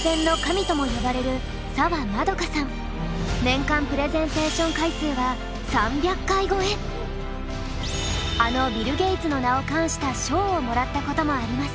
年間プレゼンテーション回数はあのビル・ゲイツの名を冠した賞をもらったこともあります。